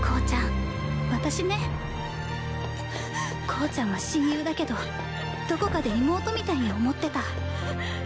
向ちゃんは親友だけどどこかで妹みたいに思ってた。